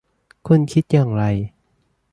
คุณคิดอย่างไร ?